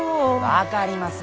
分かります！